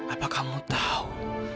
apa kamu tahu